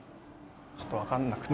ちょっとわからなくて。